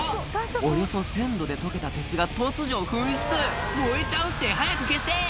およそ１０００℃で溶けた鉄が突如噴出燃えちゃうって早く消して！